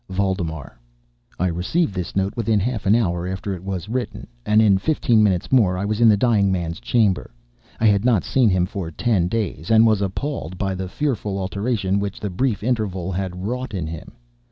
VALDEMAR I received this note within half an hour after it was written, and in fifteen minutes more I was in the dying man's chamber. I had not seen him for ten days, and was appalled by the fearful alteration which the brief interval had wrought in him.